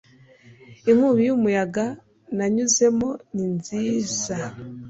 inkubi y'umuyaga nanyuzemo ni nziza